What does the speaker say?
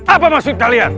apa maksud kalian